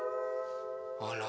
あら。